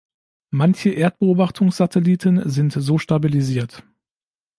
Manche Erdbeobachtungssatelliten sind so stabilisiert.